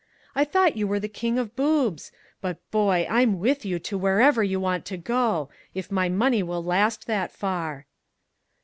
"I thought you were the king of boobs but, boy, I'm with you to wherever you want to go if my money will last that far!"